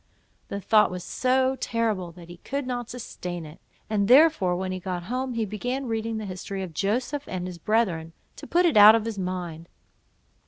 The thought was so terrible, that he could not sustain it; and therefore when he got home, he began reading the history of Joseph and his brethren, to put it out of his mind.